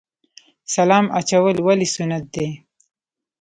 سلام اچول ولې سنت دي؟